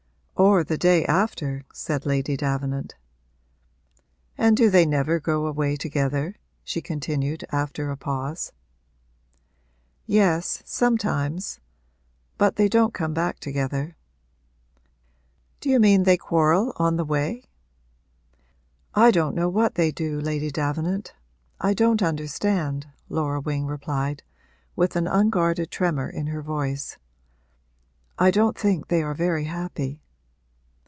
'Or the day after?' said Lady Davenant. 'And do they never go away together?' she continued after a pause. 'Yes, sometimes but they don't come back together.' 'Do you mean they quarrel on the way?' 'I don't know what they do, Lady Davenant I don't understand,' Laura Wing replied, with an unguarded tremor in her voice. 'I don't think they are very happy.'